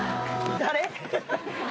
誰？